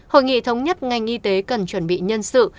hội nghị thống nhất ngành y tế cần chuẩn bị nhân sự